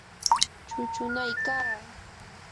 chuchunaykaa.